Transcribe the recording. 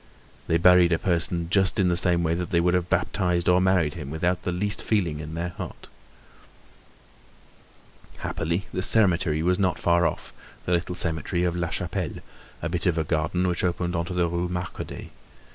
They buried a person just in the same way that they would have baptized or married him, without the least feeling in their heart. Happily, the cemetery was not far off, the little cemetery of La Chapelle, a bit of a garden which opened on to the Rue Marcadet.